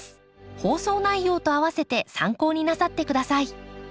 放送内容と併せて参考になさってください。